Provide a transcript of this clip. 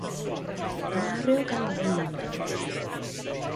Mario Galindo